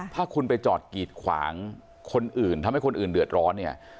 ถ้าคุณไปจอดกีดขวางคนอื่นทำให้คนอื่นเดือดร้อนเนี่ย